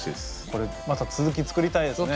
これまた続き作りたいですね。